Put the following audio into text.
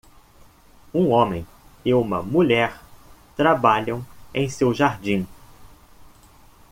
Um homem e uma mulher trabalham em seu jardim.